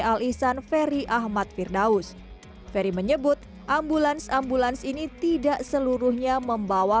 al ihsan ferry ahmad firdaus ferry menyebut ambulans ambulans ini tidak seluruhnya membawa